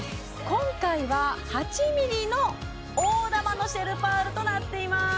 今回は８ｍｍの大珠のシェルパールとなっています